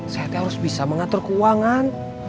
saya harus bisa mengatur keuangan